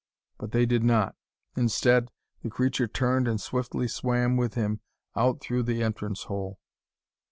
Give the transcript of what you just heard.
But they did not. Instead, the creature turned and swiftly swam with him out through the entrance hole.